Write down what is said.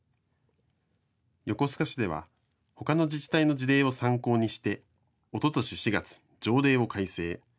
横須賀市ではほかの自治体の事例を参考にしておととし４月、条例を改正。